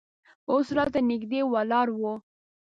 اوس راته نږدې ولاړ و.